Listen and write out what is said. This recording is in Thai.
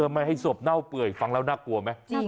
ไม่ให้ศพเน่าเปื่อยฟังแล้วน่ากลัวไหม